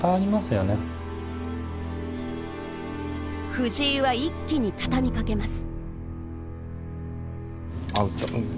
藤井は一気に畳みかけます。